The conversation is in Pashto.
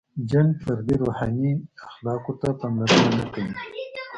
• جن فردي روحاني اخلاقو ته پاملرنه نهکوي.